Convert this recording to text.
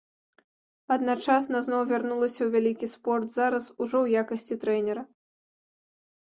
Адначасна зноў вярнулася ў вялікі спорт, зараз ужо ў якасці трэнера.